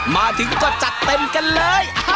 มาถึงก็จะเต็มคู่กันเลย